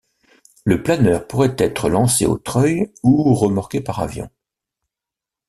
Le planeur pourrait être lancé au treuil ou remorqué par avion.